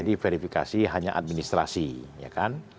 jadi verifikasi hanya administrasi ya kan